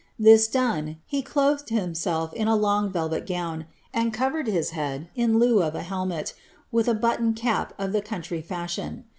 This done, he clothed himself in a long vrivet gown, and covered his head, in lieu of a helmet, with a buttoned* M of the country fashion.